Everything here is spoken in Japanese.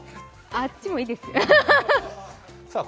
あっちもいいですよ。